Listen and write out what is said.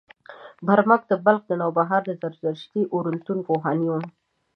برمک د بلخ د نوبهار د زردشتي اورتون روحاني و.